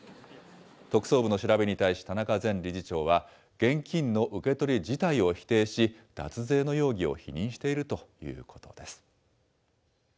特捜部の調べに対し、田中前理事長は、現金の受け取り自体を否定し、脱税の容疑を否認しているということです。